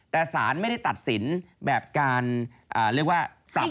แต่ศาลไม่ได้ตัดสินการพลักฟัตรยเดียว